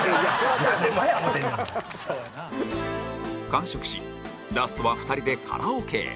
完食しラストは２人でカラオケへ